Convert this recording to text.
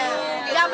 bisa ada persiapannya